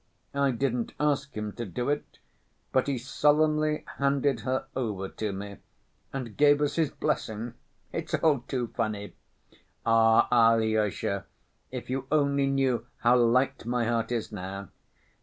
I didn't ask him to do it, but he solemnly handed her over to me and gave us his blessing. It's all too funny. Ah, Alyosha, if you only knew how light my heart is now!